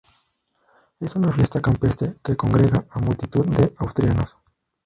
Es una fiesta campestre que congrega a multitud de asturianos.